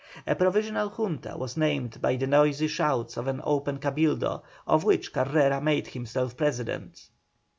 A provisional Junta was named by the noisy shouts of an open Cabildo, of which Carrera made himself president.